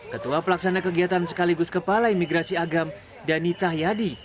ketua pelaksana kegiatan sekaligus kepala imigrasi agam dhani cahyadi